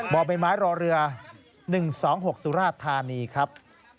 บ่อใบไม้รอเรือ๑๒๖สุราธานีครับ